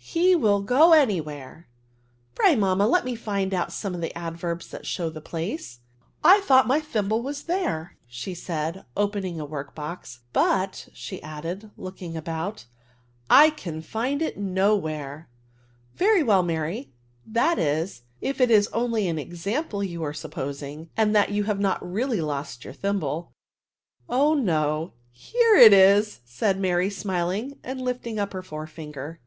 He will go any where!^ Pray, mamma, let me try to find out some of the adverbs that show the place. I thought my tibimble was there f said she, open ing a work box ;" but," added she, looking about, " I can find it no where J* " Very well, Mary : that is, if it is only an example you are supposing, and that you have not really lost your thimble." " Oh no, here it is," said Mary, smiling, and lifting up her fore finger.